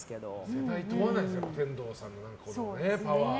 世代を問わないんですね天童さんのパワーは。